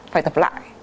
phải tập lại